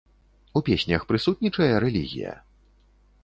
У песнях прысутнічае рэлігія?